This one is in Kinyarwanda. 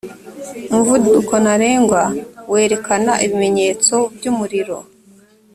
umuvuduko ntarengwa wewerekana ibimenyetso by ‘umuriro.